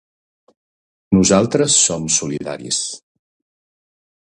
Nosaltres som solidaris.